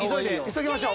急ぎましょう。